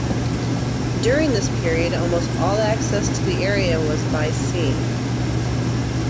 During this period almost all access to the area was by sea.